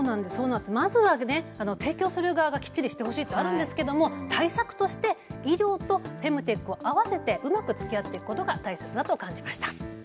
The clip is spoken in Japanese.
まずはね、提供する側がきっちりしてほしいというのもあるんですけれども対策として医療とフェムテックを合わせてうまくつき合っていくことが大切だと感じました。